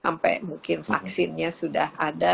sampai mungkin vaksinnya sudah ada